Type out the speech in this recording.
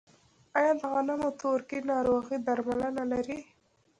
آیا د غنمو تورکي ناروغي درملنه لري؟